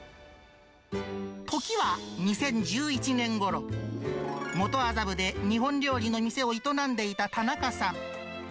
時は２０１１年ごろ、元麻布で日本料理の店を営んでいた田中さん。